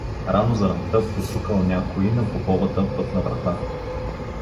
Рано заранта почукал някой на поповата пътна врата.